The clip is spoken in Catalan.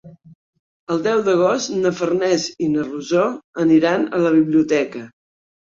El deu d'agost na Farners i na Rosó aniran a la biblioteca.